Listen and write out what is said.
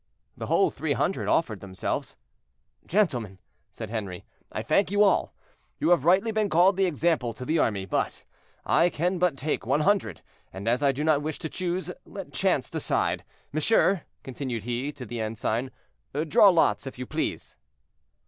The whole three hundred offered themselves. "Gentlemen," said Henri, "I thank you all; you have rightly been called the example to the army, but I can but take one hundred; and as I do not wish to choose, let chance decide. Monsieur," continued he, to the ensign, "draw lots, if you please."